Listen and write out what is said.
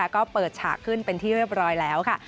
ก็เปิดฉากขึ้นเป็นที่เรียบร้อยแล้วค่ะ